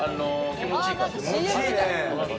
気持ちいいね。